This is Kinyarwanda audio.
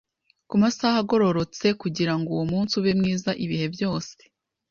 kumasaha agororotse kugirango uwo munsi ube mwiza ibihe byose